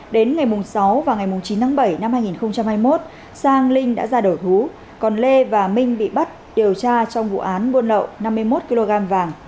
đến ngày sáu và ngày chín tháng bảy năm hai nghìn hai mươi một sang linh đã ra đổ thú còn lê và minh bị bắt điều tra trong vụ án buôn lậu năm mươi một kg vàng